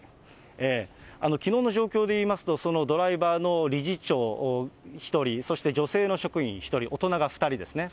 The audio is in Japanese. きのうの状況で言いますと、ドライバーの理事長１人、そして女性の職員１人、大人が２人ですね。